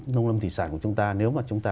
nông lâm thủy sản của chúng ta nếu mà chúng ta